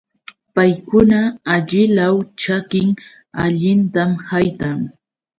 Paykunapa allilaw ćhakin allintam haytan.